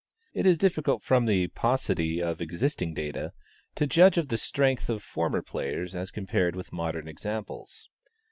It is difficult, from the paucity of existing data, to judge of the strength of former players as compared with modern examples.